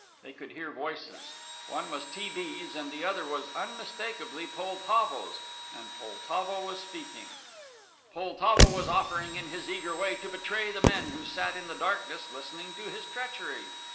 They could hear voices: one was T. B.'s, and the other was unmistakably Poltavo's, and Poltavo was speaking. Poltavo was offering in his eager way to betray the men who sat in the darkness listening to his treachery.